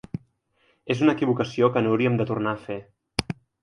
És una equivocació que no hauríem de tornar a fer.